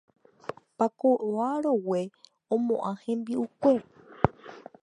Pakova roguépe omoʼã hembiʼukuéra.